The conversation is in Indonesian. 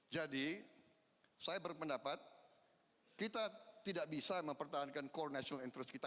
jadi saya berpendapat kita tidak bisa mempertahankan core national interest kita